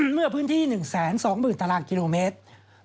เมื่อพื้นที่๑๒๐๐๐ตารางกิโลเมตร